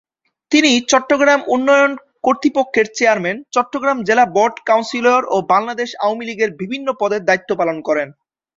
তিনি চট্টগ্রাম উন্নয়ন কর্তৃপক্ষের চেয়ারম্যান, চট্টগ্রাম জেলা বোর্ড কাউন্সিলর ও বাংলাদেশ আওয়ামী লীগের বিভিন্ন পদে দায়িত্ব পালন করেন।